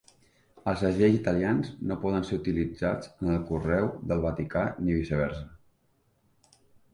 Els segells italians no poden ser utilitzats en el correu del Vaticà ni viceversa.